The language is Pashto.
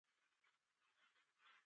د پردیو خیراتونو ته ناست یو.